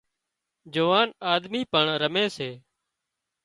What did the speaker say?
جوان آۮمِي پڻ رمي سي